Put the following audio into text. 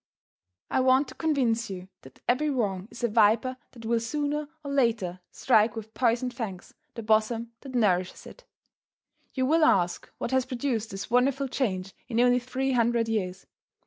I want to convince you that every wrong is a viper that will sooner or later strike with poisoned fangs the bosom that nourishes it. You will ask what has produced this wonderful change in only three hundred years.